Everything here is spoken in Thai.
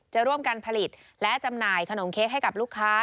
จะร่วมกันผลิตและจำหน่ายขนมเค้กให้กับลูกค้า